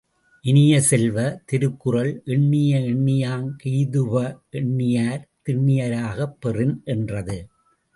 இனிய செல்வ, திருக்குறள், எண்ணிய எண்ணியாங் கெய்துப எண்ணியார் திண்ணிய ராகப் பெறின் என்றது.